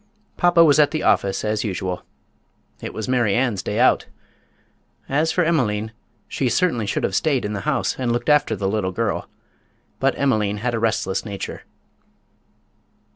Papa was at the office, as usual. It was Mary Ann's day out. As for Emeline, she certainly should have stayed in the house and looked after the little girl; but Emeline had a restless nature.